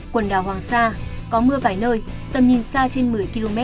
quần đảo hoàng sa có mưa vài nơi tầm nhìn xa trên một mươi km